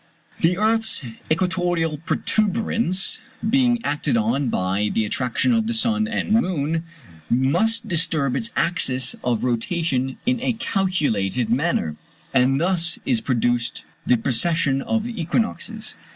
The earth's equatorial protuberance, being acted on by the attraction of the sun and moon, must disturb its axis of rotation in a calculated manner; and thus is produced the precession of the equinoxes.